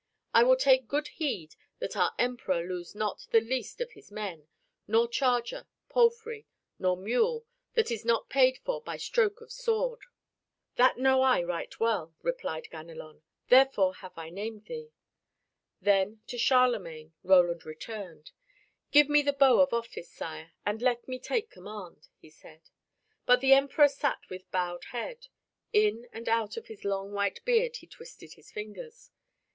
I will take good heed that our Emperor lose not the least of his men, nor charger, palfrey, nor mule that is not paid for by stroke of sword." "That know I right well," replied Ganelon, "therefore have I named thee." Then to Charlemagne Roland turned, "Give me the bow of office, Sire, and let me take command," he said. But the Emperor sat with bowed head. In and out of his long white beard he twisted his fingers.